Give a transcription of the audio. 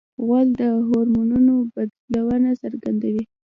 غول د هورمونونو بدلونه څرګندوي.